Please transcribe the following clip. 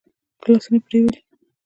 ګيلاسونه پرېولي.